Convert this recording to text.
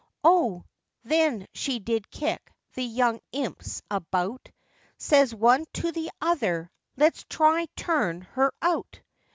O! then she did kick the young imps about,— Says one to the other, 'Let's try turn her out.